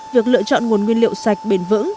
việc lựa chọn nguồn nguyên liệu sạch bền vững